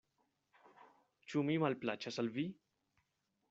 Ĉu mi malplaĉas al vi?